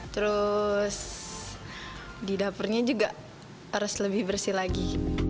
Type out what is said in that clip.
terus di dapurnya juga harus lebih bersih lagi